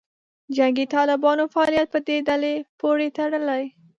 جنګي طالبانو فعالیت په دې ډلې پورې تړلې.